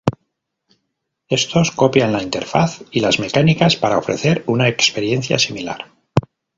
Estos, copian la interfaz y las mecánicas para ofrecer una experiencia similar.